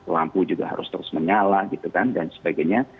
lampu juga harus terus menyala gitu kan dan sebagainya